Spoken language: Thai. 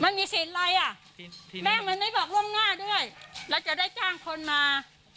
มันมีสิทธิ์อะไรอ่ะแม่มันไม่บอกล่วงหน้าด้วยแล้วจะได้จ้างคนมา